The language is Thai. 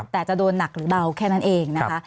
แต่จะโดนหนักหรือเบาแค่นั้นเองนะคะ